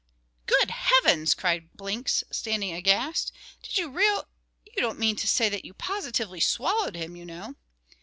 "Good heavens!" cried Blinks, standing aghast, "did you real you don't mean to say that you positively swallowed him, you know?"